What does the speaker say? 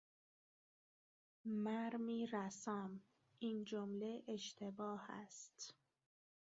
مرمی رسام